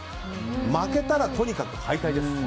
負けたらとにかく敗退です。